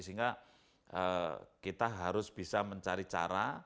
sehingga kita harus bisa mencari cara